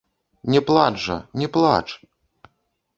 Не плач жа, не плач!